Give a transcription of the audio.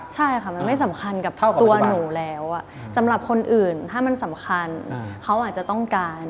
ใช่ค่ะมันไม่สำคัญกับตัวหนูแล้วสำหรับคนอื่นถ้ามันสำคัญเขาอาจจะต้องการ